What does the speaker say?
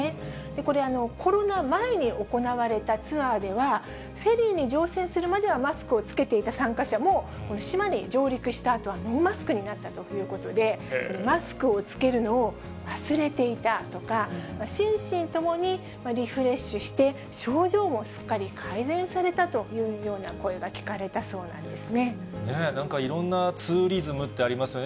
これ、コロナ前に行われたツアーでは、フェリーに乗船するまではマスクをつけていた参加者も、島に上陸したあとはノーマスクになったということで、マスクをつけるのを忘れていたとか、心身ともにリフレッシュして、症状もすっかり改善されたというような声が聞かれたそうなんですなんか、いろんなツーリズムってありますよね。